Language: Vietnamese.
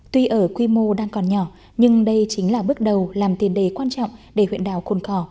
tuy ở quy mô đang còn nhỏ nhưng đây chính là bước đầu làm tiền đề quan trọng để huyện đảo cồn cỏ